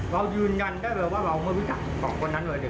เรายืนยันได้เลยว่าเราไม่รู้จักสองคนนั้นเลย